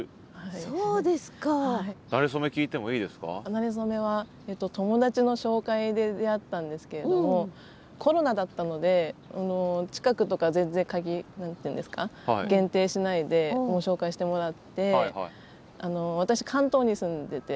なれ初めは友達の紹介で出会ったんですけれどもコロナだったので近くとか全然何て言うんですか限定しないで紹介してもらって私関東に住んでて。